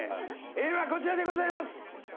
Ａはこちらでございます。